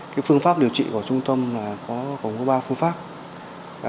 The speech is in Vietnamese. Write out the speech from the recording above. cái phương pháp điều trị của trung tâm là có gồm có ba phương pháp